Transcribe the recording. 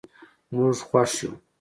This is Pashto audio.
موږ خوښ یو.